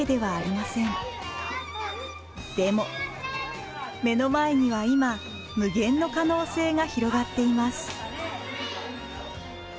でも目の前には今無限の可能性が広がっています。